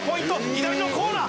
左のコーナー